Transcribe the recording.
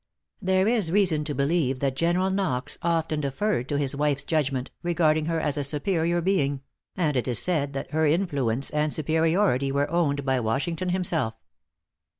There is reason to believe that General Knox often deferred to his wife's judgment, regarding her as a superior being; and it is said that her influence and superiority were owned by Washington himself.